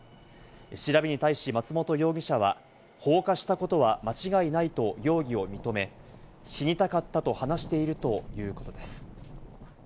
調べに対し松本容疑者は、放火したことは間違いないと容疑を認め、死にたかったと話しているということです。